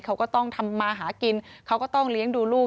เขาก็ต้องทำมาหากินเขาก็ต้องเลี้ยงดูลูก